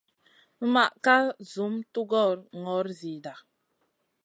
Unma ka zum tugora gnor zida.